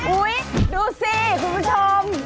อุ๊ยดูสิคุณผู้ชม